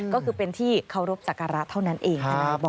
ก็คือเป็นที่เคารพสักการะเท่านั้นเอง